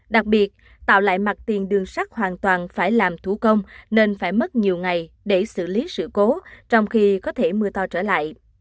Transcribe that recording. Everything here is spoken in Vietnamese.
đặc biệt tạo lại mặt tiền đường sắt hoàn toàn phải làm thủ công nên phải mất nhiều ngày để xử lý sự cố trong khi có thể mưa to trở lại